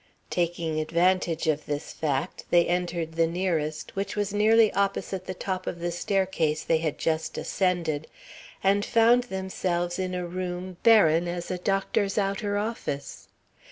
Taking advantage of this fact, they entered the nearest, which was nearly opposite the top of the staircase they had just ascended, and found themselves in a room barren as a doctor's outer office.